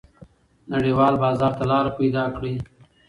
نړیوال بازار ته لار پیدا کړئ.